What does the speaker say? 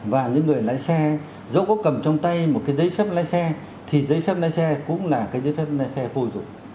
và những người lái xe dẫu có cầm trong tay một cái giấy phép lái xe thì giấy phép lái xe cũng là cái giấy phép lái xe vô rồi